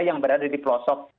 yang berada di pelosok